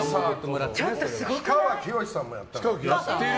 氷川きよしさんもやってる。